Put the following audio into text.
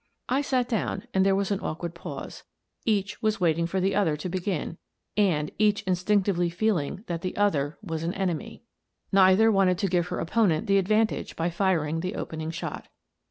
I sat down, and there was an awkward pause. Each was waiting for the other to begin, and, each instinctively feeling that the other was an enemy, 200 Miss Frances Baird, Detective neither wanted to give her opponent the advantage by firing the opening shot.